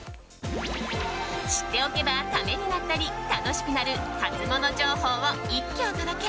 知っておけばためになったり楽しくなるハツモノ情報を一挙お届け。